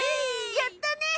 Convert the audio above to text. やったね！